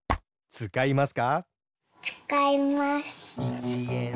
つかいます。